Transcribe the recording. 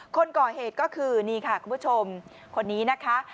คนก่อเหตุก็คือนี่ค่ะคุณผู้ชมคนนี้นะคะ